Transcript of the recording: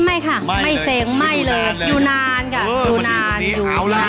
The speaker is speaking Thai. ไม่ค่ะไม่เซ็งไหม้เลยอยู่นานค่ะอยู่นานอยู่